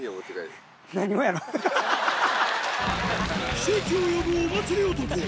奇跡を呼ぶお祭り男